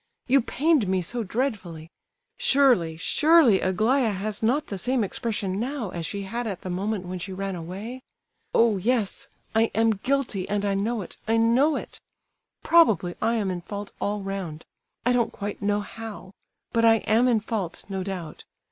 You pained me so dreadfully. Surely—surely Aglaya has not the same expression now as she had at the moment when she ran away? Oh, yes! I am guilty and I know it—I know it! Probably I am in fault all round—I don't quite know how—but I am in fault, no doubt.